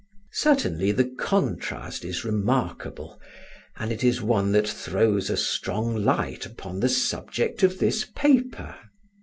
Certainly the contrast is remarkable; and it is one that throws a strong light upon the subject of this paper.